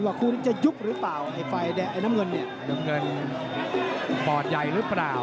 ว่าคุณจะยุบหรือเปล่าไอ้ไฟแดงไอ้น้ำเงินเนี่ยน้ำเงินปอดใหญ่หรือเปล่า